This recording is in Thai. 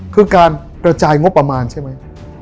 คือการกระจายงบประมาณใช่ไหม